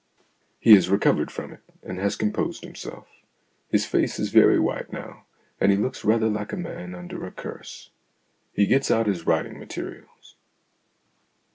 He has recovered from it, and has composed himself. His face is very white now, and he looks rather like a man under a curse. He gets out his writing materials.